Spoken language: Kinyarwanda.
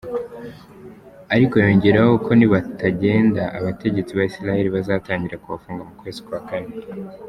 Ariko yongeraho ko nibatagenda, abategetsi ba Isiraheli bazatangira kubafunga kuva mu kwezi kwa Kane.